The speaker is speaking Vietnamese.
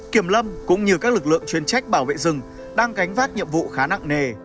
kiểm lâm cũng như các lực lượng chuyên trách bảo vệ rừng đang gánh vác nhiệm vụ khá nặng nề